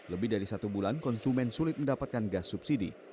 lebih dari satu bulan konsumen sulit mendapatkan gas subsidi